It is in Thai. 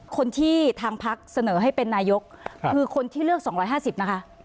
คนที่ทางพักเสนอให้เป็นนายกคือคนที่เลือก๒๕๐นะคะ